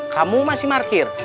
kamu masih markir